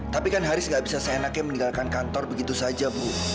tapi kan haris gak bisa seenaknya meninggalkan kantor begitu saja bu